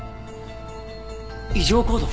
異常行動？